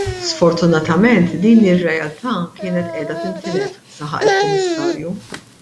Sfortunatament din ir-realtà kienet qiegħda tintilef, saħaq il-Kummissarju.